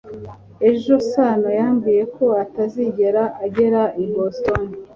ejo, sano yambwiye ko atazigera agera i boston